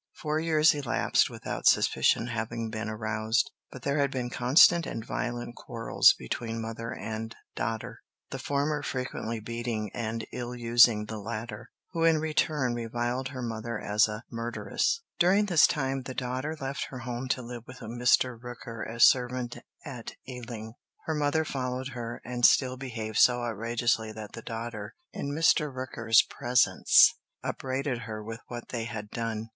Four years elapsed without suspicion having been aroused, but there had been constant and violent quarrels between mother and daughter, the former frequently beating and ill using the latter, who in return reviled her mother as a murderess. During this time the daughter left her home to live with a Mr. Rooker as servant at Ealing. Her mother followed her, and still behaved so outrageously that the daughter, in Mr. Rooker's presence, upbraided her with what they had done.